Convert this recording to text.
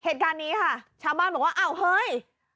เหตุการณ์นี้ค่ะชาวบ้านบอกว่าอ้าวเฮ้ย